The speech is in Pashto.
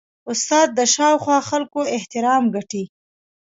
استاد د شاوخوا خلکو احترام ګټي.